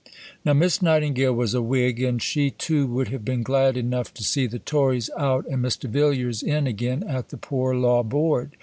Now, Miss Nightingale was a Whig, and she, too, would have been glad enough to see the Tories out and Mr. Villiers in again at the Poor Law Board.